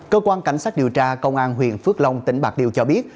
cơ quan cảnh sát điều tra công an huyện phước long tỉnh bạc liêu cho biết